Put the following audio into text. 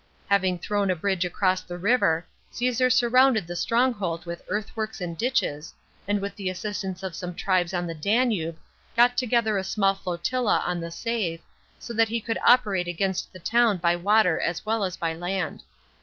Having thrown a bridge across the river, Caesar surrounded the stronghold with earthworks and ditches, and with the assistance of some tribes on the Danube, got together a small flotilla on the Save, so that he could operate against the town by water as well as by land.